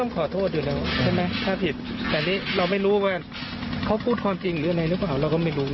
ก็แล้วถ้าปริดเขาก็ต้องขอโทษก็ใช้ไมละอ่ะค่ะ